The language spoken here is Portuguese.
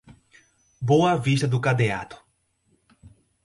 Boa Vista do Cadeado